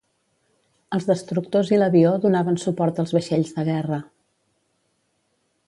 Els destructors i l'avió donaven suport als vaixells de guerra.